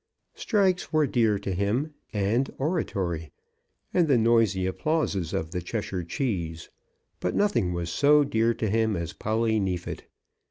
Strikes were dear to him, and oratory, and the noisy applauses of the Cheshire Cheese; but nothing was so dear to him as Polly Neefit.